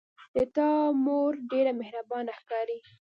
د تا مور ډیره مهربانه ښکاري